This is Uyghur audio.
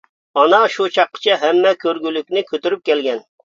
ئانا شۇ چاققىچە ھەممە كۆرگۈلۈكنى كۆتۈرۈپ كەلگەن.